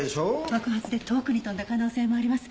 爆発で遠くに飛んだ可能性もあります。